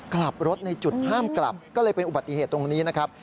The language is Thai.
ขับรถในจุดห้ามกลับก็เลยเป็นอุบัติเหตุตรงนี้นะครับ